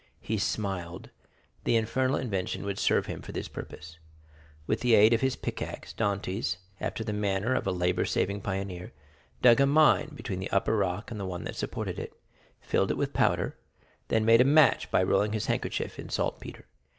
He smiled; the infernal invention would serve him for this purpose. With the aid of his pickaxe, Dantès, after the manner of a labor saving pioneer, dug a mine between the upper rock and the one that supported it, filled it with powder, then made a match by rolling his handkerchief in saltpetre.